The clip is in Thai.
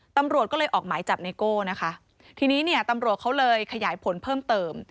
ตำรวจก็เลยออกหมายจับไนโก้นะคะทีนี้เนี่ยตำรวจเขาเลยขยายผลเพิ่มเติม